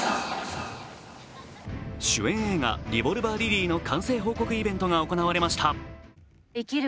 主演映画「リボルバー・リリー」の完成報告イベントが行われました。